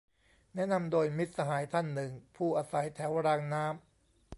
แนะนำโดย มิตรสหายท่านหนึ่ง ผู้อาศัยแถวรางน้ำ